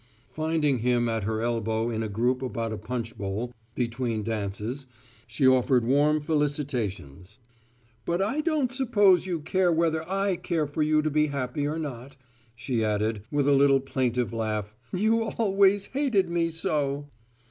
Finding him at her elbow in a group about a punch bowl, between dances, she offered warm felicitations. "But I don't suppose you care whether I care for you to be happy or not," she added, with a little plaintive laugh; "you've always hated me so!"